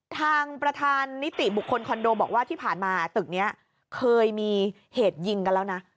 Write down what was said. ทางประธานนิติบุคคลคอนโดบอกว่าที่ผ่านมาตึกนี้เคยมีเหตุยิงกันแล้วนะ